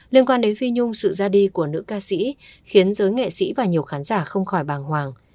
liên quan đến phi nhung sự ra đi của nữ ca sĩ khiến giới nghệ sĩ và nhiều khán giả không khỏi bàng hoàng